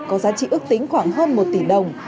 có giá trị ước tính khoảng hơn một tỷ đồng